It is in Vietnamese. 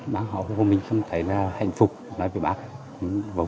bác họ hồ của mình không thấy hạnh phúc nói với bác vui